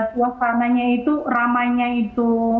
suasananya itu ramanya itu